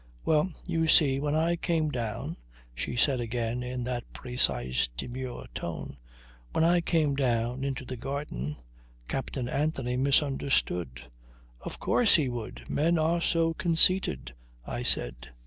"Well, you see, when I came down," she said again in that precise demure tone, "when I came down into the garden Captain Anthony misunderstood " "Of course he would. Men are so conceited," I said.